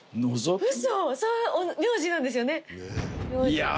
ウソそういう名字なんですよね？